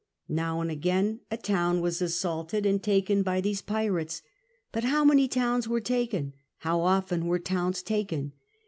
Now and again, a town was* assaulted 52 CAPTAm COOK CHAP. and taken by these pirates. But Iiow many towns were taken? How often were towns taken?